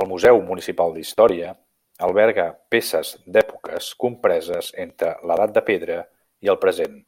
El museu municipal d'història alberga peces d'èpoques compreses entre l'edat de Pedra i el present.